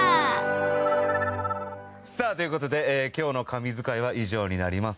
さあという事で今日の神図解は以上になります。